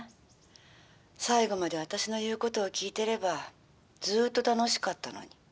最後まで私の言うことを聞いてればずっと楽しかったのに」。